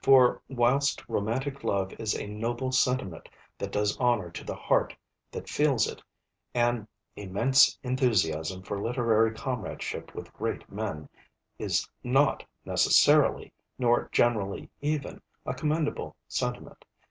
For whilst romantic love is a noble sentiment that does honour to the heart that feels it, an 'immense enthusiasm for literary comradeship with great men' is not necessarily, nor generally even, a commendable sentiment.